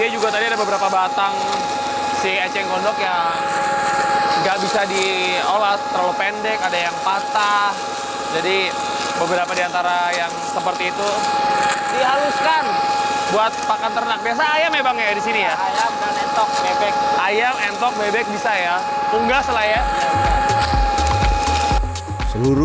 satu juga belum